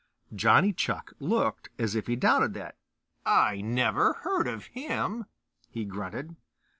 Johnny Chuck looked as if he doubted that, "I never heard of him," he grunted.